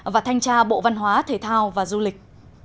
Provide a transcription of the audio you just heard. và thanh tra bộ văn hóa thể thao và du lịch